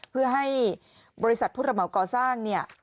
เพื่อให้บริษัทผู้รับเหมาก่อสร้างเนี่ย